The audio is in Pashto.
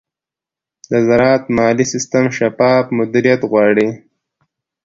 د زراعت مالي سیستم شفاف مدیریت غواړي.